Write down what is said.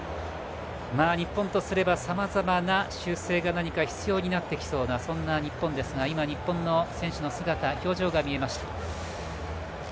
日本とすればさまざまな修正が必要になってきそうなそんな日本ですが今、日本の選手の表情が見えました。